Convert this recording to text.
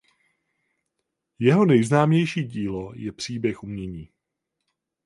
Jeho nejznámější dílo je „Příběh umění“.